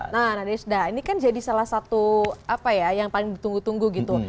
nah desda ini kan jadi salah satu apa ya yang paling ditunggu tunggu gitu